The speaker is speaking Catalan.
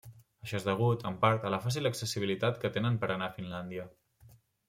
Això és degut, en part, a la fàcil accessibilitat que tenen per anar a Finlàndia.